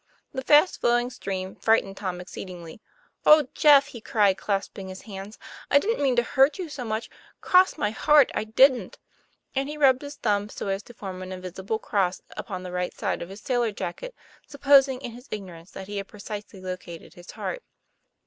The fast flowing stream frightened Tom exceed ingly. " Oh, Jeff! " he cried, clasping his hands, " I didn't mean to hurt you so much cross my heart, I didn't, " and he rubbed his thumb so as to form an invisible cross upon the right side of his sailor jacket, suppos ing, in his ignorance, that he had precisely located his heart.